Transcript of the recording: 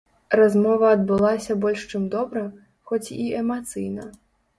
Размова адбылася больш чым добра, хоць і эмацыйна.